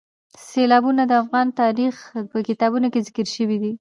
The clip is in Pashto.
سیلابونه د افغان تاریخ په کتابونو کې ذکر شوي دي.